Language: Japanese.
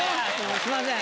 すいません。